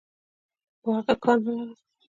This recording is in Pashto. په اغه کار نلرم.